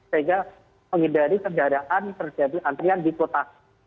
sehingga menghindari kendaraan terjadi antrian di kota